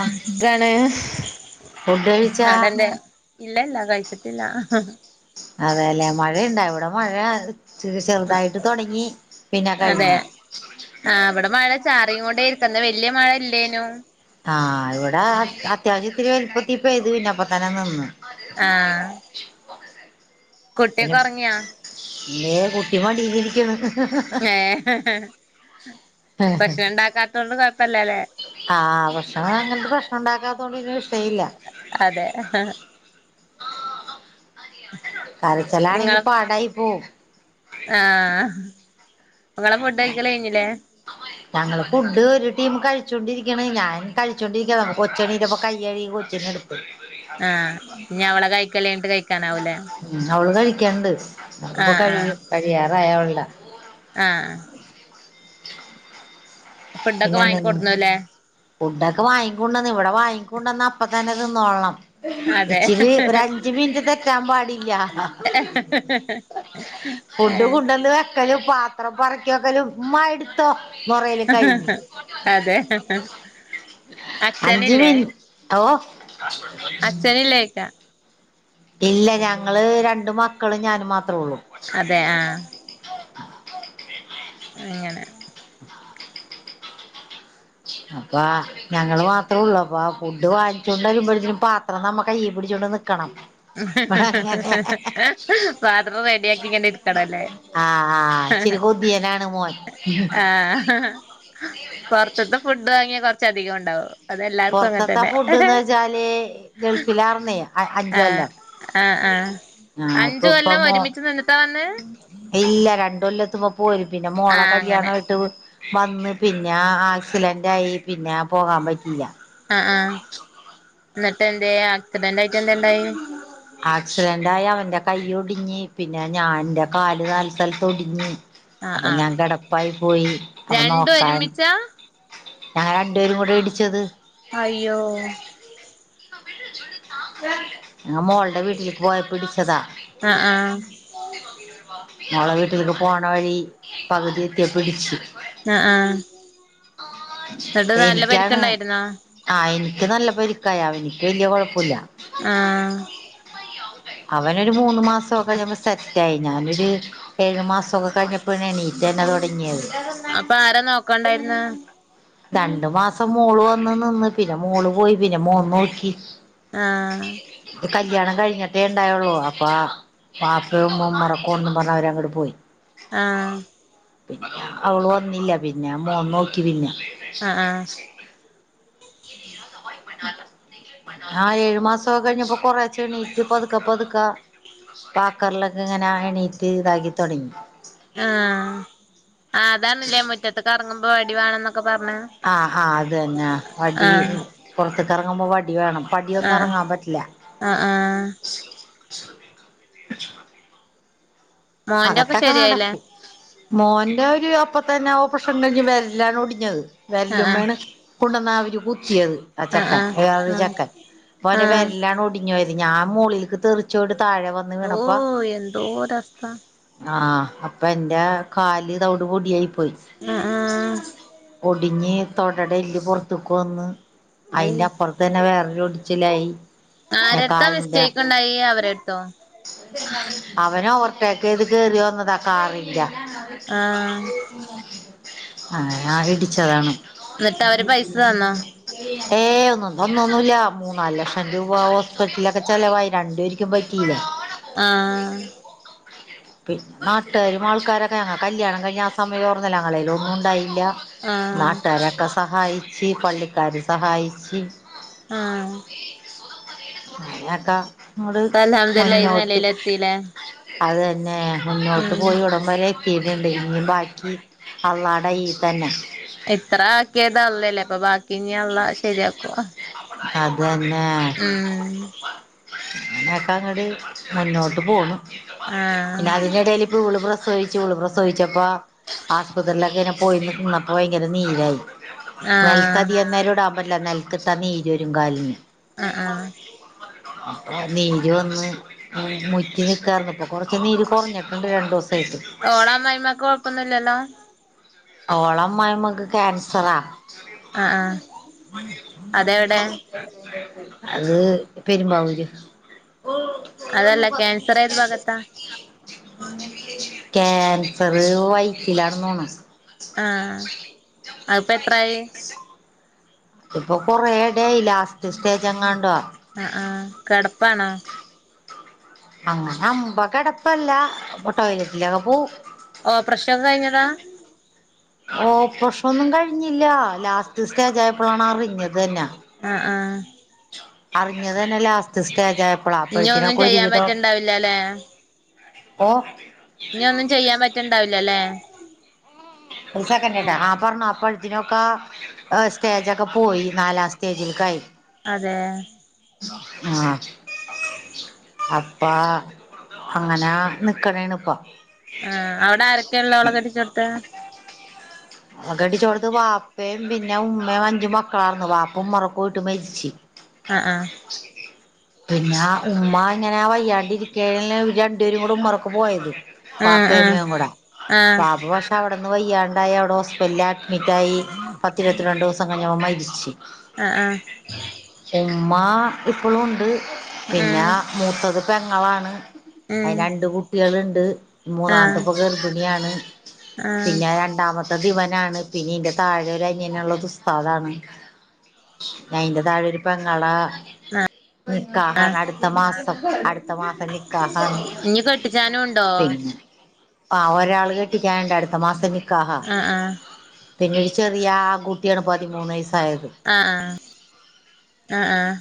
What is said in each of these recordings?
ആഹ് എന്താണ് ഫുഡ് കഴിച്ചാ ആടന്നെ ഇല്ല ഇല്ല കഴിച്ചിട്ടില്ല അതെല്ലെ മഴ ഇണ്ടാ ഇവിടെ മഴ ചെറുതായിട്ട് തുടങ്ങി പിന്നെ കഴിഞ്ഞു ആ അവിടെ മഴ ചാറിയ കൊണ്ടേയിരിക്കന്ന വലിയ മഴ ഇല്ലേനു ആഹ് ഇവിടെ അത്യാവശ്യത്തിരി വലുപ്പത്തി പെയ്തു പിന്നപ്പ തന്നെ നിന്ന് ആഹ് ഹലോ കുട്ടിയൊക്കെ ഉറങ്ങിയാ ഏ കുട്ടി മടിലിരിക്കയാണ് ഏ ഭക്ഷണം ഉണ്ടാക്കാത്തൊണ്ട് കൊഴപ്പല്ലല്ലേ ആഹ് ഭക്ഷണം അങ്ങനത്തെ ഭക്ഷണം ഉണ്ടാക്കാത്ത കൊണ്ട് ഇനി രക്ഷേയില്ല അതെ നിങ്ങള കരച്ചലാണെങ്കിപ്പോ പാടായി പോവും ആഹ് നിങ്ങളെ ഫുഡ് കയിക്കല് കഴിഞ്ഞില്ലേ ഞങ്ങള് ഫുഡ് ഒരു ടീം കഴിച്ചോണ്ടിരിക്കണ് ഞാൻ കഴിച്ചോണ്ടിരിക്കാ നമ കൊച്ചണ ഇപ്പ കയ്യി കൊച്ചണി എടു ആഹ് ഇനി അവളെ കഴിക്കഞ്ഞിട്ട് കഴിക്കാനാവൂലേ അവള് കഴിക്കണ്ട് അത് ഇപ്പോ ആഹ് കഴിയും ആഹ് കഴിയാറായി അവളുടെ ആഹ് ഫുഡൊക്കെ പിന്നെന്ന്നും വാങ്ങിക്കൊടുന്നുല്ലേ ഫുഡൊക്കെ വാങ്ങിക്ക കൊണ്ടുവന്ന് ഇവിടെ വാങ്ങിക്കൊണ്ടന്ന് അപ്പ തന്നെ തിന്നോള്ളണം അതെ ഇച്ചിരി ഒരഞ്ച് മിനിറ്റ് തെറ്റാൻ പാടില്ല ഏഹ് ക്കല് പാത്രം പെറുക്കിവെക്കലും ഉമ്മ എടുത്തോ പറയല് കഴിഞ്ഞു അതെ അഞ്ച് അച്ഛനില്ലേ മിനി ഓ അച്‌ഛനില്ലേ യിക്കാ ഇല്ല ഞങ്ങള് രണ്ട് മക്കളും ഞാനും മാത്രേ ഒള്ളു അതെ ആഹ് അങ്ങനെ അപ്പ ഞങ്ങള് മാത്രേ ഒള്ളൂ അപ്പൊ ആഹ് ഫുഡ് വാങ്ങിച്ചുകൊണ്ട് വരുമ്പഴത്തേനും പാത്രം നമ്മ കയ്യി പിടിച്ചോണ്ട് നിക്കണം ഇവിടെ അങ്ങനെ പാത്രംറെഡിയാക്കി ഇങ്ങനെ ഇടുക്കണല്ലേ ആഹ് ആഹ് ഇച്ചിരി കൊതിയനാണ് മോൻ പൊറത്തത്തെ ഫുഡ് വാങ്ങിയ കൊറച്ചധികം ഒണ്ടാവും പൊറത്തൊക്കെ ഫുഡ്ന്ന് വെച്ചാല് ഗൾഫിലാറുന്നെ ആഹ് ആഹ് ആഹ് ആഹ് ഇപ്പൊ അഞ്ചു ഇപ്പ കൊല്ലം മോ ഒരുമിച്ച് നിന്നിട്ടാ വന്നേ ഇല്ല രണ്ട് കൊല്ലെത്തുമ്പോ പോരും പിന്നെ മോളെ ആഹ് അങ്ങനെ കല്യാണായിട്ട് വന്ന് പിന്നെ ആക്സിലന്റായി പിന്നെ പോകാൻ പറ്റിയില്ല ആഹ് ആഹ് എന്നിട്ട് എന്തേ അ ആക്സിഡന്റ് ആയി അവന്റെ കൈ ഒടിഞ്ഞ് പിന്നെ ഞാ ന്റെ കാല് നാല് സ്ഥലത്തൊടിഞ്ഞ് ആഹ് അപ്പൊ ആഹ് ഞാൻ കെടപ്പായി പോയി അപ്പൊ രണ്ടും നോക്കാൻ ഒരുമിച്ചാ ഞങ്ങള് രണ്ടുപേരും കൂടെ ഇടിച്ചത് അയ്യോ ഞാ മോൾടെ വീട്ടിലേക്ക് പോയപ്പോ ഇടിച്ചതാ ആഹ് ആഹ് മോളെ വീട്ടിലേക്ക് പോണ വഴി പകുതി എത്തിയപ്പ ഇടിച്ചു ആഹ് ആഹ് എന്നിട്ട് നല്ല പരിക്ക് എനിക്കാണ് ഇണ്ടായിരുന്നോ ആഹ് എനിക്ക് നല്ല പരിക്ക എനിക്ക് വല്യ കൊഴപ്പല്ല ആഹ് അവനൊരു മൂന്ന് മാസവൊക്കെ കഴിഞ്ഞപ്പോ സെറ്റായി ഞാനൊരു ഏഴു മാസവൊക്കെ കഴിഞ്ഞപ്പ ഞാൻ എണീറ്റന്നെ തൊടങ്ങിയത് അപ്പൊ ആരാ നോക്കണ്ടായിരുന്ന് രണ്ടു മാസം മോള് വന്ന് നിന്ന് പിന്നെ മോള് പോയി പിന്നെ മോൻ നോക്കി ആഹ് കല്യാണം കഴിഞ്ഞോ റ്റേണ്ടായള്ളൂ അപ്പ ബാപ്പേം ഉമ്മേം ഉംറക്ക് പോവും പറഞ്ഞ് അവരങ്ങട്ട് പോയി ആഹ് പിന്നെ അവള് വന്നില്ല പിന്നെ മോൻ നോക്കി പിന്നെ അ ആഹ് ആഹ് ഏഴ് മാസോക്കെ കഴിഞ്ഞപ്പോ കൊറേച്ചെ എണീറ്റ് പതുക്കെ പതുക്കെ വാക്കറിലൊക്കെ ഇങ്ങനെ എണീറ്റ് ഇതാക്കി തൊടങ്ങി ആഹ് അതാണല്ലേ മുറ്റത്ത്ക്ക് എറങ്ങുമ്പോ വടി വേണന്നൊക്കെ പറഞ്ഞേ ആഹ് ആഹ് അത് തന്നെ വടി പൊറത്ത്ക്കെറങ്ങുമ്പോ വടി വേണം പടിയൊന്നും ആഹ് എറങ്ങാൻ പറ്റില്ല ആഹ് ആഹ് മോന്റൊക്കെ അകത്തൊക്കെ ശരിയായില്ലേ നടക്കും മോന്റെ ഒരു അപ്പ തന്നെ ഓപ്പറേഷൻ ഉണ്ടെങ്കി വെരലാണ് ഒടിഞ്ഞത് ആഹ് വെരലുമ്മേണ് കൊണ്ടുവന്നവര് കുത്തിയത് ആഹ് ചെക്കൻ ഏതൊരു ചെക്കൻ അപ്പോന്റെ ആഹ് വെരലാണ് ഒടി ഞാൻ മോളിലേക്ക് തെറിച്ചു പോയിട്ട് താഴെ വ ഓഹ് എന്തോരസ്ഥ ആഹ് അപ്പൊ എന്റെ കാല് തവിട്ട് പൊടിയായി പോയി ആഹ് ആഹ് ഒടിഞ്ഞ് തൊടട എല്ല് പൊറത്തേക്ക് വന്ന് അയ് അയ്ന്റെ അപ്പുറ ത്ത് തന്നെ വേറൊരു ഒടിച്ചിലായി പിന്നെ ആരെടുത്താ മിസ്റ്റേക്ക് ഉണ്ടായി അവരെടുത്തോ അവരാ ഓവർടേക്കഴ്ത് കേറി വന്നതാ കാറിന്റെ ആഹ് അറിയാതെ ഇടിച്ചതാണ് എന്നിട്ട് അവര് പൈസ തന്നോ ഏഹ് ഒന്നും തന്നൊന്നുമില്ല മൂന്നാല് ലക്ഷം രൂപ ഹോസ്പിറ്റലൊക്കെ ചെലവായി രണ്ട് പേര്ക്കും പറ്റില്ലേ ആഹ് പിന്നെ നാട്ടുകാരും ആൾക്കാരൊക്കെ ഞങ്ങ കല്യാണം കഴിഞ്ഞ ആ സമയ യിരുന്നല്ലോ ഞങ്ങളേല് ഒന്നും ഉണ്ടായില്ല ആഹ് നാട്ടാരൊക്കെ സഹായിച്ച് പള്ളിക്കാര് സഹായിച്ച് ആഹ് [unintelligible] ങ്ങട് മുന്നോട്ട് പിന്നെ അതന്നെ മുന്നോട്ട് പോയി ഇവിടം വരെ എത്തി ഇനി എന്തേലും ഉണ്ടോ ബാക്കി അള്ളാട കയിൽതന്നെ ഇത്ര ആക്കിയത് അള്ളല്ലേ അപ്പൊ ബാക്കി ഇനി അള്ള ശെരിയാക്കു അതന്നെ ഉം ഒക്കെഅങ്ങോട്ട് മുന്നോട്ട് പോന്നു പിന്നെ ആഹ് അതിനിടേൽ വീണ്ടും പ്ര പ്രസവിച്ചു ഓള് പ്രസോവിച്ചപ്പോ ആശുപത്രിയിലൊക്കെ ഇങ്ങെ പോയിന്ന് ന്നപ്പോ ഭയങ്കര നീരായി ആഹ് നെൽത്തധികനേരം ഇടാൻ പാടില്ല നെൽത്തിട്ടനീര്വരും കാലിന്തന്ന ഈജൊരും കാലിന് ആഹ് ആഹ് നീര് വന്ന് മുറ്റി നിക്കാന്ന് ഇപ്പൊ കൊറച്ച് നീര് കൊറഞ്ഞിട്ടുണ്ട് രണ്ടു ദിവസം ഓള അമ്മായിമാക്ക് കൊഴപ്പൊന്നുംല്ലല്ലോ ഓള അമ്മായിമ്മക്ക് ക്യാൻസറാ ആഹ് ആഹ് അതെവിടെ അത് പെരുമ്പാവൂര് അതല്ല കൻസർ ഏത് ഭാഗത്താ കൻസർ വയ്യറ്റിൽ തോണ് ആഹ് അതിപ്പോ എത്രായി തിപ്പൊ കൊറേടായി ലാസ്റ്റ് സ്റ്റേജ് എങ്ങാണ്ട്വാ ആഹ് ആഹ് കെടപ്പാണോ അങ്ങനെ അമ്പ കെടപ്പല്ല ടോയ്ലറ്റിലൊക്കെ പോ ഓപ്പറേഷൻ കഴിഞ്ഞതാ ഓപ്രഷനൊന്നും കഴിഞ്ഞില്ല ലാസ്റ്റ് സ്റ്റേജ ആയപ്പോഴാണ് അറിഞ്ഞത് തന്നെ ആഹ് ആഹ് അറിഞ്ഞത് തന്നെ ലാസ്റ്റ് സ്റ്റേജ ആയപ്പോളാ ഇനി ഒന്നും അപ്പഴത്തിനൊക്കെ ചെയ്യാൻ ഒരുവിതോ പറ്റണ്ടാവില്ലല്ലേ ഇപ്പൊ ഞ്ഞി ഒന്നും ചെയ്യാൻ പറ്റണ്ടാവില്ലല്ലേ ഒരു സെക്കൻട്ടാ ആഹ് പറഞ്ഞു അപ്പഴ ത്തിനൊക്കെ സ്റ്റേജൊക്കെ പോയി നാലാം സ്റ്റേജിലേക്കായി അതെ ആഹ് അപ്പാ അങ്ങനെ നിക്കണേണ് ഇപ്പം. ആഹ് അവ്ടെ ആരെക്കേള്ളത് ഓളെ കെട്ടിച്ചോട്ത്ത്? ഓളകെട്ടിച്ചോട്ത്ത് വാപ്പയും പിന്നെ ഉമ്മയും അഞ്ചും മക്കളായിരുന്നു വാപ്പ ഉമ്മറക്കോയിട്ട് മരിച്ച്. ആഹ് ആഹ് പിന്നെ ഉമ്മ ഇങ്ങനെ വയ്യാണ്ടിരിക്കേണല്ലോ ഇവര് രണ്ടുപേരും കൂടെ ഉമ്മറക്ക് പോയത്. ആഹ് ബാപ്പയും ആഹ് ഉമ്മയും കൂടെ. ആഹ് ബാപ്പ പക്ഷെ അവെടന്ന് വയ്യാണ്ടായി അവടെ ഹോസ്പിറ്റൽല് അഡ്മിറ്റായി. പത്തിരത്തിരണ്ടൂസം കഴിഞ്ഞപ്പം മരിച്ച്. ആഹ് ആഹ്. ഉമ്മ ഇപ്പളും ഉണ്ട് പിന്നാ ആഹ് മൂത്തത് പെങ്ങളാണ് ഉം അയ്ന് ഉം രണ്ട് കുട്ടിയേള്ണ്ട്. മൂന്നാമത്ത ആഹ് പ്പ ഗർഭിണിയാണ്. ആഹ് പിന്നെ രണ്ടാമ ത്ത ദിവനാണ്. പിന്നെ ഈന്റെ താഴൊരനിയനുള്ളത് ഉസ്താദാണ്. പിന്നയ്ന്റെ താഴൊരു പെങ്ങള ആഹ് ആഹ് നിക്കാഹാണ് അടുത്ത മാസം. അടു ത്ത മാസം നികാഹാണ്. ഇഞ്ഞ് കെട്ടിച്ചാനും ഉണ്ടോ പിന്നെ ആഹ് ഒരാള് കെട്ടിക്ക്യാൻണ്ട്. അടുത്ത മാസം നിക്കാഹാ. ആഹ് ആഹ് പിന്നെ ഈ ചെറിയ ആ കുട്ടിയാണ് പതിമൂന്ന് വയസ്സായത്. ആഹ് ആഹ് ആഹ് ആഹ്.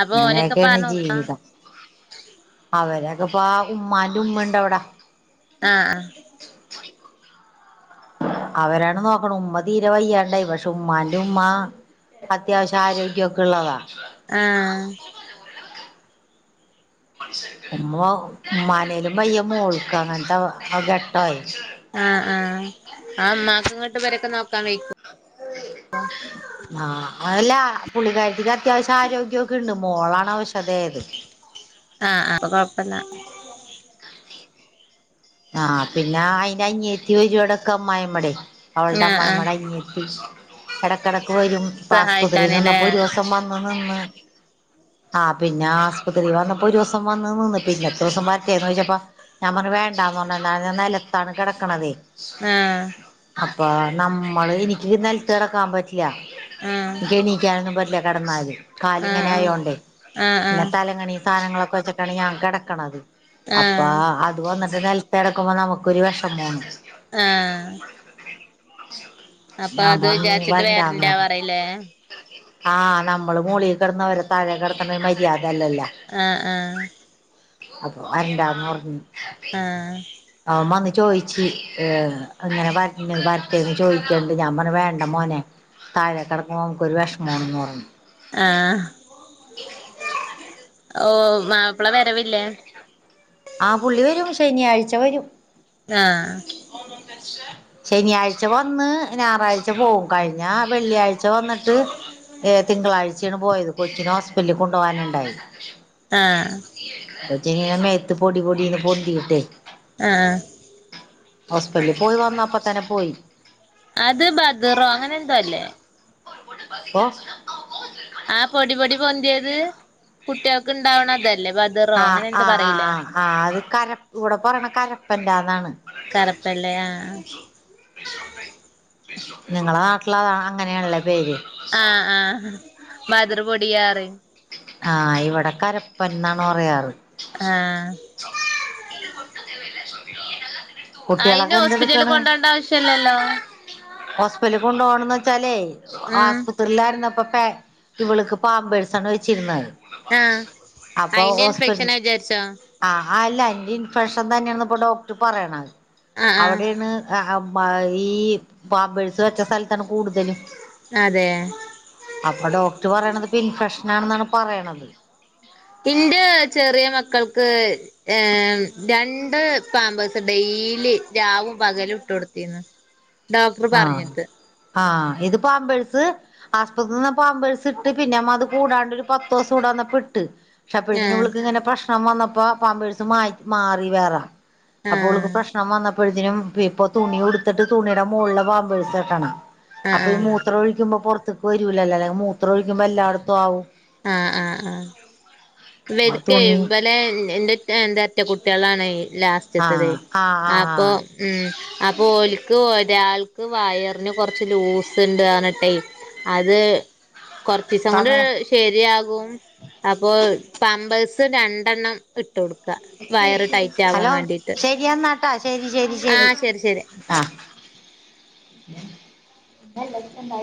അപ്പൊ ഓലെക്കെ ഇപ്പാര അങ്ങനെയൊക്കെയാണ് നോക്കാ. ജീവിതം അവരൊക്കെ ഇപ്പാ ഉമ്മാന്റെ ഉമ്മണ്ടവിട. ആഹ് ആഹ്. അവരാണ് നോക്ക്ണ്. ഉമ്മ തീരെ വയ്യാണ്ടായി. പക്ഷെ ഉമ്മാന്റെ ഉമ്മാ അത്യാവശ്യം ആരോഗ്യം ഒക്കെ ഉള്ള ആളാ. ആഹ് ഉമ്മ ഉമ്മാനേലും വയ്യ മോൾക്ക് അങ്ങൻത്ത ഘട്ടായി. ആഹ് ആഹ്. ആ ഇമ്മാക്ക് ഇങ്ങട്ട് വെരെക്കെ നോക്കാൻ വെയ് കോ? മാ അല്ലാ പുള്ളികാരത്തിക്ക് അത്യാവശ്യം ആരോഗ്യമൊക്കെ ഉണ്ട് മോളാണ് അവശതയായത്. ആഹ് ആഹ് കൊഴപ്പല്ല. ആഹ് പിന്നെ അയിൻ്റെ അനിയത്തി വരുഎടക്ക് അമ്മായിമ്മടെയ്. അവൾടെ ആഹ് ആഹ് അമ്മായിമ്മടെ അനിയെത്തി എടക്കെടക്ക് വരും. ഇപ്പാസ്പത്രീന്ന് സഹായിക്കാന്ല്ലേ വന്നപ്പം ഒരൂസം വ ന്ന് നിന്ന്. ആഹ് പിന്നാസ്പത്രീന്ന് വന്നപ്പം ഒരൂസം വന്ന് നിന്ന് പിന്നെ എത്രൂസം വരറ്റെന്ന് ചോയിച്ചപ്പം ഞാൻ പർഞു വേണ്ടാന്ന് പർഞ് എന്താന്ന് നെലത്താണ് കെടക്കണതേ. ആഹ്. അപ്പോ നമ്മള് എനിക്ക് നെൽത്ത് കെടക്കാൻ പറ്റില്ല. ആഹ് എനിക്ക് എണീക്കാനൊന്നും പറ്റില്ല കെടന്നാല്. ആഹ് ആഹ് കാലിങ്ങനായോണ്ടേ പിന്നെ ആഹ് തലങ്ങണി സാനങ്ങളൊക്കെ വെച്ചക്കാണ് ഞാൻ കെടക്കണത്. ആഹ് അപ്പ ആഹ് അത് വന്ന് ദ് നെൽത്ത് കെടക്കുമ്പം നമുക്കൊരു വെഷമാണ്. ആഹ് അപ്പൊ ഞാൻ അത് പറഞ് വിചാരിച്ചിട്ട് വരണ്ടാന്ന്. വരണ്ടാ പറയില്ലേ ആഹ് നമ്മള് മോളിൽ കിടന്നവരെ താഴെ കിടത്തണത് മര്യാദ അല്ലല്ലോ. ആഹ് ആഹ്. അപ്പൊ വരണ്ടാന്ന് പർഞ്. ആഹ്. അവൻ വന്ന് ചോയിച്ച്, ഏഹ് ഇങ്ങനെ വര്ണ് വരട്ടേന്ന് ചോയിക്ണ്ട് ഞാൻ പറഞ്ഞു വേണ്ട മോനെ താഴെ കെടക്കുമ്പോ നമുക്ക് ഒരു വെഷമോണെന്ന് പറഞ്ഞു ആഹ് ഓഹ് മാപ്പള വരവില്ലേ ആഹ് പുള്ളി വരും ശനിയാഴ്ച വരും ആഹ് ശനിയാഴ്ച വന്ന് ഞായറാഴ്ച പോകും കഴിഞ്ഞ വെള്ളിയാഴ് ച്ച വന്നിട്ട് ഏ തിങ്കളാഴ്ച്ചയാണ് പോയത് കൊച്ചിനെ ഹോസ്പിറ്റലിൽ കൊണ്ടു പോകാനുണ്ടായി ആഹ് കൊച്ചിങ്ങനെ മേത്ത് പൊടി പൊടിന്ന് പൊന്തിയിട്ടേ ആഹ് ആഹ് ഹോസ്പിറ്റലിൽ പോയി വന്നപ്പ തന്നെ പോയി അത് ബദറോ അങ്ങനെ എന്തോ അല്ലേ ഓഹ് ആഹ് പൊടി പൊടി പൊന്തിയത് കുട്ടികൾക്ക് ഇണ്ടാവണ അതല്ലേ ബതറോ ആഹ് അങ്ങനെ എന്തോ ആഹ് പറയില്ലേ ആഹ് ആഹ് അത് കര ഇവിടെ പറയണെ കരപ്പെന്റാന്നാണ് കരപ്പെല്ലെ ആഹ് ആഹ് നിങ്ങളെ നാട്ടില് അതാ അങ്ങനെയാണല്ലേ പേര് ആഹ് ആഹ് മതറ് പൊടിയാറ് ആഹ് ഇവിടെ കരപ്പൻന്നാണ് പറയാറ് ആഹ് ഇ കൊട്ടല്ല [inaudible] അയിന് ഹോസ്പിറ്റലില് കൊണ്ടോണ്ട ആവശ്യം ഇല്ലല്ലോ ഹോസ്പിറ്റലിൽ കൊണ്ടോണന്ന് വെച്ചാലേ ഉം ആസ്പത്രിലാരുന്നപ്പം പേ ഇവള്ക്ക് പാമ്പേഴ്സാണ് വെച്ചിരുന്നത് ആഹ് അപ്പൊ അയിന്റെ ഹോസ്പിറ്റൽ ഇൻഫെക്ഷനാ വിചാരിച്ചോ ആഹ് അല്ല അയിന്റെ ഇൻഫെക്ഷൻ തന്നെയാണെന്ന് ഇപ്പൊ ഡോക്ടറ് പറയണത് ആഹ് ആഹ് അവിടെയാണ് ആഹ് ആഹ് പാ ഈ പാമ്പേഴ്സ് വെച്ച സ്ഥലത്താണ് കൂടുതലും അതെ അപ്പൊ ഡോക്ടറ് പറയണത് ഇപ്പൊ ഇൻഫെക്ഷനാണെന്നാണ് പറയണത് ഇന്റെ ചെറിയ മക്കൾക്ക് ഏഹ് ഉം രണ്ട് പാമ്പേഴ്സ് ഡെയ്ലി രാവും പകലും ഇട്ട് കൊടുത്തിരുന്നു ഡോക്ടറ് ആഹ് പറഞ്ഞിട്ട് ആഹ് ഇത് പാമ്പേഴ്സ് ആസ്പത്രിൽ നിന്ന് പാമ്പേഴസ് ഇട്ട് പിന്നെ നമ്മ അത് കൂടാണ്ട് ഒരു പത്തോസം ഇവടന്നപ്പം ഇട്ട് ക്ഷെ അപ്പഴത്തേനും ആഹ് ഇവള്ക്ക് ഇങ്ങനെ പ്രശ്നം വന്നപ്പോ പാമ്പേഴസ് മായ് മാറി വേറെ അപ്പൊ ഓള്ക്ക് ആഹ് പ്രശ്നം വന്നപ്പൊഴത്തേനും ഇപ്പൊ തുണി ഉടുത്തിട്ട് തുണിടെ മോളിലാ പാമ്പേഴ്സ് കെട്ടണെ ആഹ് അപ്പൊ ഈ ആഹ് മൂ ത്രൊഴിക്കുമ്പോ പൊറത്തക്ക് വരൂല്ലല്ലോ അല്ലെങ്കി മൂത്രം ഒഴിക്കുമ്പോ എല്ലാടത്തും ആവും ആഹ് ആഹ് ആഹ് ഇവര്ക്കെ തുണി [unintelligible] ലെ എൻ [unintelligible] കുട്ടിയളാണെ ലാസ് ച്ചിട്ടതേ ആഹ് ആഹ് ആഹ് അപ്പൊ ആഹ് ഉം അപ്പൊ ഓല് ക്ക് ഒരാൾക്ക് വയറിന് കൊറച്ച് ലൂസ് ഇണ്ട് പറഞ്ഞിട്ടേ അത് കൊറച്ചീസം കൊണ്ട് സമയം ശെരിയാകും അപ്പൊ പാമ്പേഴ്സ് രണ്ടെണ്ണം ഇട്ട് കൊടുക്ക വയറ് ടൈറ്റ് ആവാൻ ഹലോ വേണ്ടീട്ട് ശെരിയെന്നാട്ടോ ശെരി ശെരി ശെരി ആഹ് ശരി ശരി ആഹ് എന്ന ലക്ഷ ആായി [unintelligible]